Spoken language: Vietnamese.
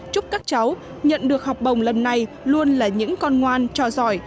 chúc các cháu nhận được học bồng lần này luôn là những con ngoan trò giỏi